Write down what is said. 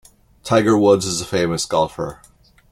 Tiger Woods is a famous golfer.